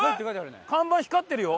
看板光ってるよ。